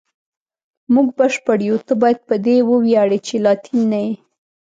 موږ بشپړ یو، ته باید په دې وویاړې چې لاتین نه یې.